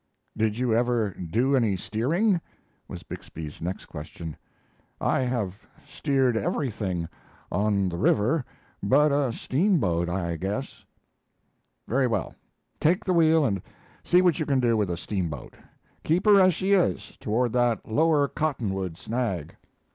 "Did you ever do any steering?" was Bixby's next question. "I have steered everything on the river but a steamboat, I guess." "Very well; take the wheel and see what you can do with a steamboat. Keep her as she is toward that lower cottonwood, snag."